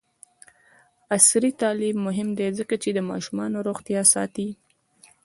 عصري تعلیم مهم دی ځکه چې د ماشومانو روغتیا ساتي.